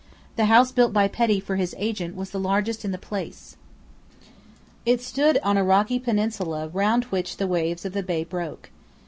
The house built by Petty for his agent was the largest in the place. It stood on a rocky peninsula round which the waves of the bay broke.